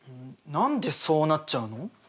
何でそうなっちゃうの？